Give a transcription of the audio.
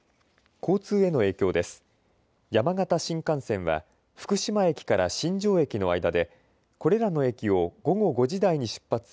交通への影響です。